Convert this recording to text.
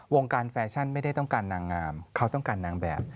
วงการแฟชั่นไม่ได้ต้องการนางงามเขาต้องการนางแบบ